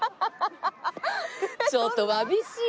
ちょっとわびしい。